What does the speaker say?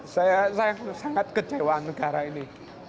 saya sangat kecewa negara ini